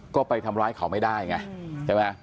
ก็ไปทำร้ายเขาไม่ได้ไงใช่ไหม